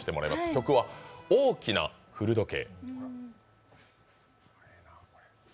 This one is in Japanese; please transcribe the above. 曲は「大きな古時計」。